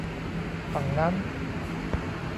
ฝั่งนั้น